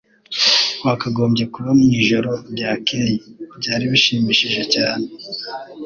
Wakagombye kuba mwijoro ryakeye. Byari bishimishije cyane.